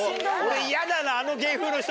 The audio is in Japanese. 俺嫌だな。